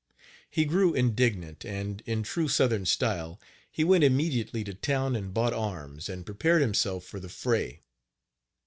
He grew indignant, and, in true Southern style, he went immediately to town and bought arms, and prepared himself for the fray.